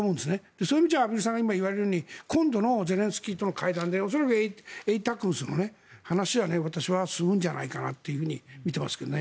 そういう意味では畔蒜さんが今言われるように今度のゼレンスキーとの会談で恐らくＡＴＡＣＭＳの話は私はするんじゃないかとみていますけどね。